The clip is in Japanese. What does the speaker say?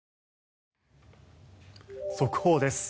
速報です。